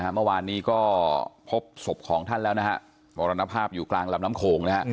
เมื่อวานพบศพโรยนภาพอยู่รำน้ำโขง